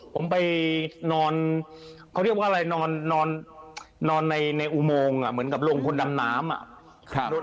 ผมไปนอนเขาเรียกว่าอะไรนอนในอุโมงเหมือนกับโรงคนดำน้ำ